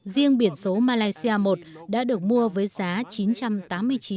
riêng biển số malaysia i đã được mua với giá trị của các loại đấu thầu